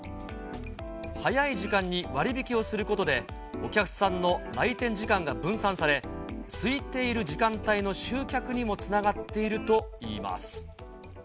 早い時間に割引をすることで、お客さんの来店時間が分散され、すいている時間帯の集客にもつながっているといいます。